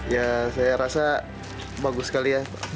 ya saya rasa bagus sekali ya